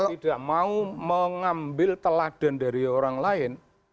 saya tidak mau mengambil teladan dari orang lain